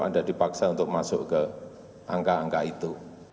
anda dipaksa untuk masuk ke angka angka itu